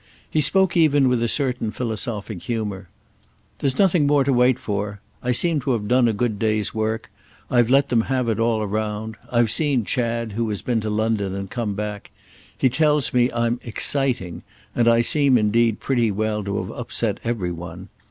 He spoke even with a certain philosophic humour. "There's nothing more to wait for; I seem to have done a good day's work. I've let them have it all round. I've seen Chad, who has been to London and come back. He tells me I'm 'exciting,' and I seem indeed pretty well to have upset every one.